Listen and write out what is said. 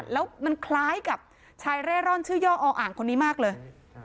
แล้วมันคล้ายกับชายเร่ร่อนชื่อย่ออ่างคนนี้มากเลย